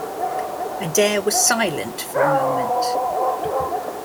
Adair was silent for a moment.